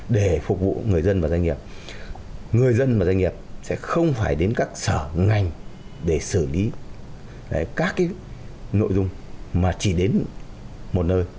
để phục vụ người dân và doanh nghiệp người dân và doanh nghiệp sẽ không phải đến các sở ngành để xử lý các nội dung mà chỉ đến một nơi